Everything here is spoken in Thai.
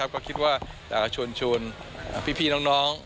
ก็คิดว่าอยากจะชวนพี่น้อง